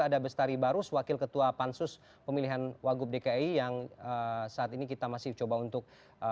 ada bestari barus wakil ketua pansus pemilihan wagub dki yang saat ini kita masih coba untuk